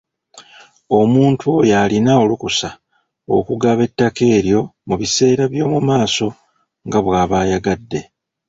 Omuntu oyo alina olukusa okugaba ettaka eryo mu biseera by'omu maaso nga bw'aba ayagadde.